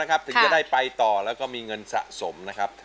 หรือว่าร้องผิดครับ